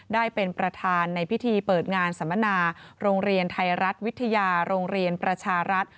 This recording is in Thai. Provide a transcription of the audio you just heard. ได้เป็นประธานในพิธีเปิดงานสัมมนาโรงเรียนไทยรัฐวิทยาโรงเรียนประชารัฐ